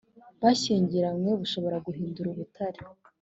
bashyingiranywe bushobora guhinduka ubutane